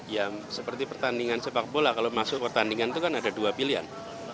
ya seperti pertandingan sepak bola kalau masuk pertandingan itu kan ada dua pilihan